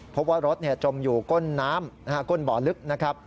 พบว่ารถจมอยู่ก้นน้ำก้นบ่อลึกนะครับ